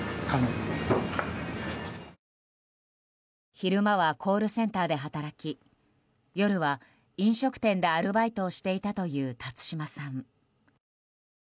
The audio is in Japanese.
昼間はコールセンターで働き夜は飲食店で、アルバイトをしていたという辰島さん。